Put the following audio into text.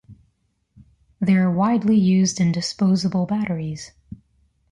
They are widely used in disposable batteries.